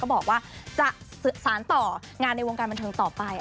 บอกว่าจะสารต่องานในวงการบันเทิงต่อไป